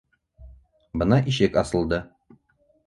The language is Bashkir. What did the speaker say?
Бына ишек асылды.